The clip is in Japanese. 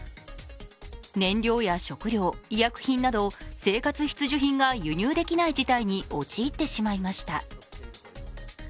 燃料や食料、医薬品など生活必需品が輸入できない事態に陥ってしまいました。